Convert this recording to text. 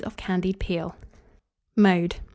of candied peel. Mode.